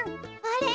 あれ？